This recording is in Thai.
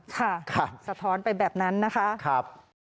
ค่ะสะท้อนไปแบบนั้นนะคะครับ